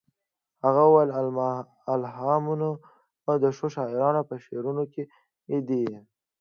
هغه وویل الهامونه د ښو شاعرانو په شعرونو کې دي